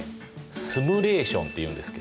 住むレーションって言うんですけど。